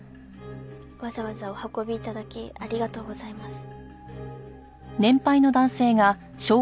わざわざお運び頂きありがとうございます。